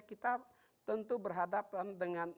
kita tentu berhadapan dengan